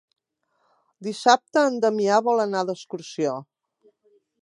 Dissabte en Damià vol anar d'excursió.